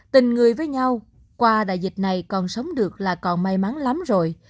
tình người với nhau qua đại dịch này còn sống được là còn may mắn lắm rồi